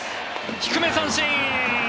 低め、三振！